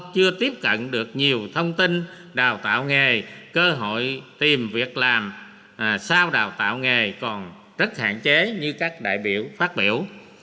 chưa tiếp cận được nhiều thông tin đào tạo nghề cơ hội tìm việc làm sao đào tạo nghề còn rất hạn chế như các đại biểu phát biểu